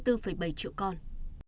tiếp theo chương trình